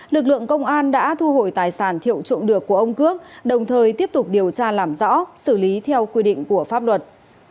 lực lượng công an đã thu hồi tài sản thiệu trộm được của ông cước đồng thời tiếp tục điều tra làm rõ xử lý theo quy định của pháp luật